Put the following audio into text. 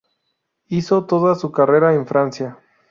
Hizo toda su carrera en Francia.